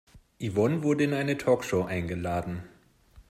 Yvonne wurde in eine Talkshow eingeladen.